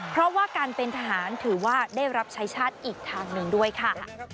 เพราะว่าการเป็นทหารถือว่าได้รับใช้ชาติอีกทางหนึ่งด้วยค่ะ